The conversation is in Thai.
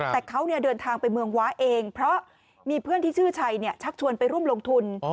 แต่เขาเดินทางไปเมืองว้าเองเพราะมีเพื่อนที่ชื่อชัยชักชวนไปร่วมลงทุน